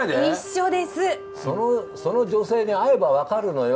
その女性に会えば分かるのよ。